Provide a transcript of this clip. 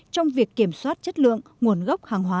trong việc kiểm soát trạm thuế